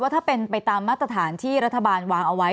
ถ้าเป็นไปตามมาตรฐานที่รัฐบาลวางเอาไว้